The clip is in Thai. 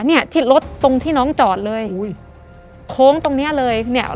เนี้ยที่รถตรงที่น้องจอดเลยอุ้ยโค้งตรงเนี้ยเลยเนี้ย